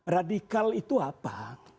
radikal itu apa